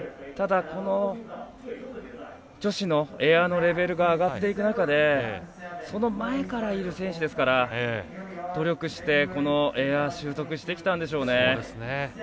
ただ、この女子のエアのレベルが上がっていく中でその前からいる選手ですから。努力してエア習得してきたんでしょうね。